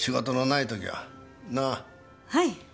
はい。